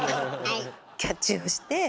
キャッチをして。